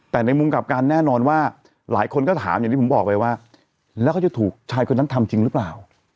แต่ในมุมกลับกันแน่นอนว่าหลายคนก็ถามอย่างที่ผมบอกไปว่าแล้วเขาจะถูกชายคนนั้นทำจริงหรือเปล่า